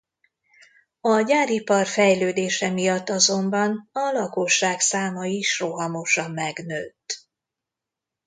A gyáripar fejlődése miatt azonban a lakosság száma is rohamosan megnőtt.